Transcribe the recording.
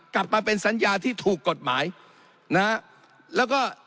กลับมาเป็นสัญญาที่ถูกกฎหมายนะฮะแล้วก็